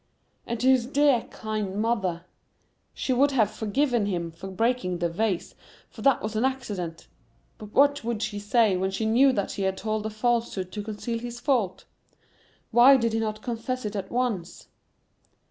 and to his dear, kind mother. She would have forgiven him for breaking the vase, for that was an accident. But what would she say, when she knew that he had told a falsehood to conceal his fault? Why did he not confess it at once?